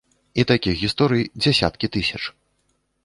І такіх гісторый дзясяткі тысяч.